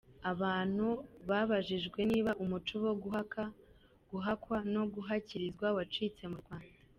Abantu babajijwe niba “umuco wo guhaka, guhakwa no guhakirizwa wacitse mu Rwanda.